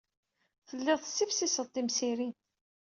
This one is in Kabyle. Telliḍ tessifsiseḍ timsirin.